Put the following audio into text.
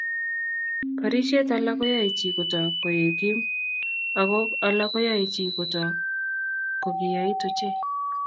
Barishet alak koyae chi kotok koek gim, ago alak koyae chi kotok kogiyait ochei